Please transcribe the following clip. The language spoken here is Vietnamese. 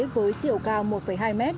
với chiều cao một hai m